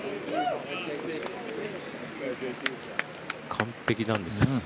完璧なんです。